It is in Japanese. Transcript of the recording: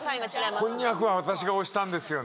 こんにゃくは私が推したんですよね。